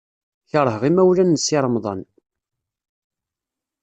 Keṛheɣ imawlan n Si Remḍan.